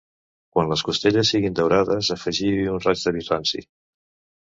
Quan les costelles siguin daurades, afegiu-hi un raig de vi ranci.